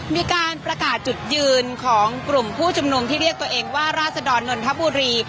มีการประกาศจุดยืนของกลุ่มผู้ชุมนุมที่เรียกตัวเองว่าราศดรนนทบุรี